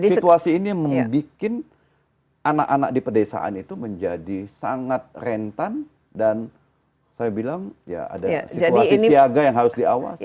situasi ini membuat anak anak di pedesaan itu menjadi sangat rentan dan saya bilang ya ada situasi siaga yang harus diawasi